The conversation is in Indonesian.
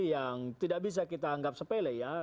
yang tidak bisa kita anggap sepele ya